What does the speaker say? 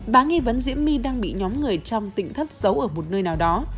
bà nghi vấn diễm my đang bị nhóm người trong tỉnh thất giấu ở một nơi nào đó